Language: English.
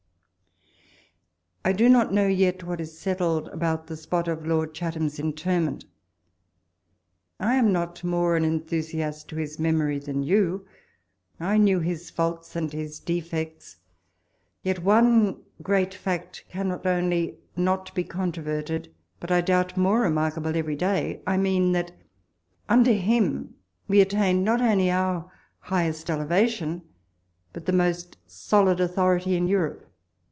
I do not know yet what is settled about the spot of Lord Chatham's interment. I am not more an enthusiast to his memory than you. I knew his faults and his defects — yet one fact cannot only not be controverted, but I doubt more remarkable every day — I mean, that under him we attained not only our highest elevation, but the most solid authority in Europe.